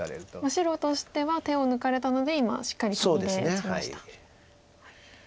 白としては手を抜かれたので今しっかりトンで打ちました。